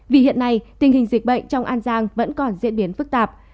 vì hiện nay tình hình dịch bệnh trong an giang vẫn còn diễn biến phức tạp